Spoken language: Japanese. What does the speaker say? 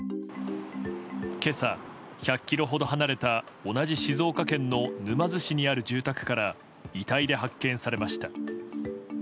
今朝、１００ｋｍほど離れた同じ静岡県の沼津市にある住宅から遺体で発見されました。